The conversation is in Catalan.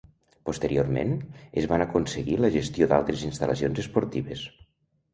Posteriorment, es van aconseguir la gestió d’altres instal·lacions esportives.